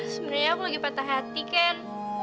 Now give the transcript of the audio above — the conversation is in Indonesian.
sebenernya aku lagi patah hati ken